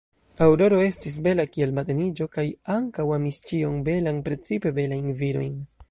Aŭroro estis bela kiel mateniĝo kaj ankaŭ amis ĉion belan, precipe belajn virojn.